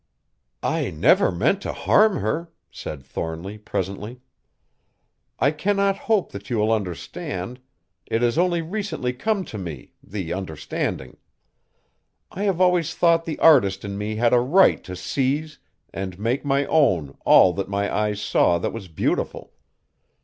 "I never meant to harm her," said Thornly presently. "I cannot hope that you will understand; it has only recently come to me, the understanding. I have always thought the artist in me had a right to seize and make my own all that my eye saw that was beautiful.